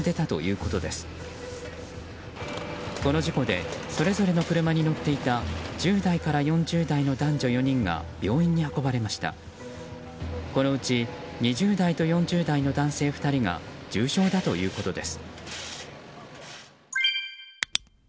このうち２０代と４０代の男性２人が重傷だということです。